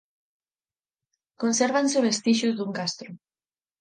Consérvanse vestixios dun castro.